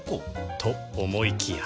と思いきや